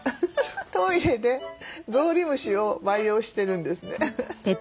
トイレでゾウリムシを培養してるんですね。